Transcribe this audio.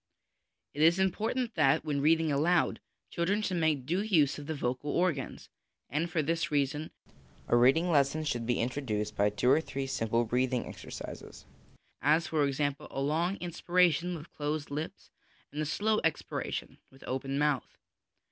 It is important that, when reading aloud, children should make due use of the vocal organs, and, for this reason, a reading lesson should be introduced by two or three simple breathing exercises, as, for example, a long inspira tion with closed lips and a slow expiration with open mouth.